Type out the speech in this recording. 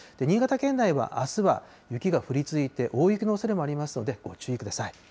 新潟県内はあすは雪が降り続いて、大雪のおそれもありますので、ご注意ください。